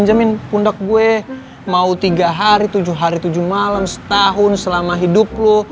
jamin pundak gue mau tiga hari tujuh hari tujuh malem setahun selama hidup lo